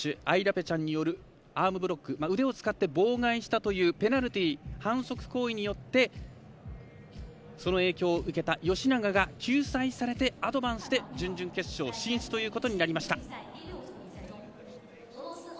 アイラペチャンによるアームブロック、腕を使って妨害したというペナルティー反則行為によってその影響を受けた吉永が救済されてアドバンスで準々決勝進出ということになりました。